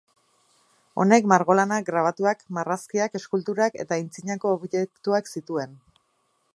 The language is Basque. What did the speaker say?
Honek margolanak, grabatuak, marrazkiak, eskulturak eta aitzinako objektuak zituen.